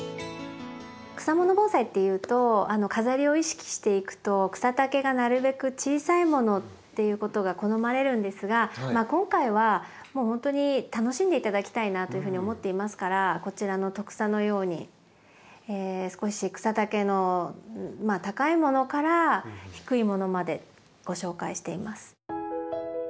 草もの盆栽っていうと飾りを意識していくと草丈がなるべく小さいものっていうことが好まれるんですが今回はもうほんとに楽しんで頂きたいなというふうに思っていますからこちらのトクサのように少し草丈の高いものから低いものまでご紹介しています。